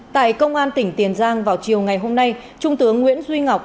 tại công an tỉnh tiền giang vào chiều ngày hôm nay trung tướng nguyễn duy ngọc